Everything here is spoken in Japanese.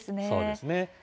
そうですね。